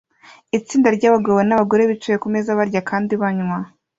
Itsinda ryabagabo nabagore bicaye kumeza barya kandi banywa